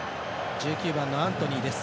１９番のアントニーです。